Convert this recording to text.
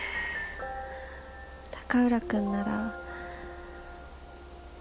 高浦君なら。